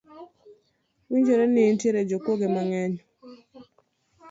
Winjore ni nitiere jokuoge mang’eny